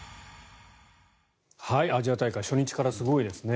アジア大会初日からすごいですね。